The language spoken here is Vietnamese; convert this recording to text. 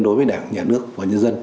đối với đảng nhà nước và nhân dân